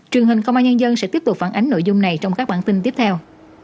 truyền hình công an nhân dân sẽ tiếp tục phản ánh nội dung này trong các bản tin tiếp theo